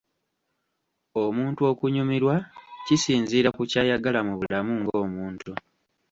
Omuntu okunyumirwa kisinziira ku ky'ayagala mu bulamu ng'omuntu.